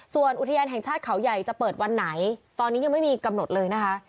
ส่วนอุทยานแห่งชาติเขาใหญ่จะเปิดวันไหนตอนนี้ยังไม่มีกำหนดเลยนะคะ